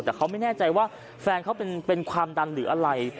แต่เขาไม่แน่ใจว่าแฟนเขาเป็นความดันหรืออะไร